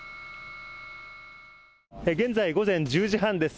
現在、午前１０時半です。